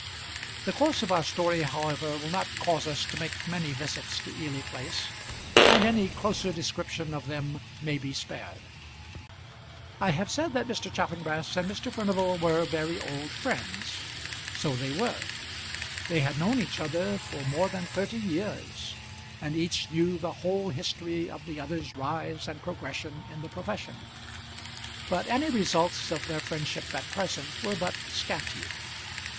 The course of our story, however, will not cause us to make many visits to Ely Place, and any closer description of them may be spared. I have said that Mr. Chaffanbrass and Mr. Furnival were very old friends. So they were. They had known each other for more than thirty years, and each knew the whole history of the other's rise and progress in the profession; but any results of their friendship at present were but scanty.